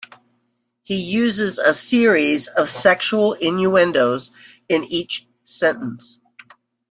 He uses a series of sexual innuendos in each sentence.